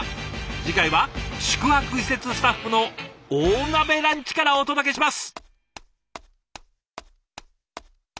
次回は宿泊施設スタッフの大鍋ランチからお届けします！